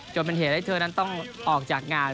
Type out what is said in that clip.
จนเป็นเหตุให้เธอนั้นต้องออกจากงาน